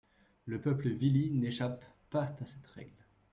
Le peuple vili n'échappe pas à cette règle.